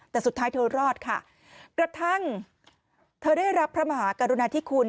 แต่สุดท้ายเธอรอดค่ะกระทั่งเธอได้รับพระมหากรุณาธิคุณ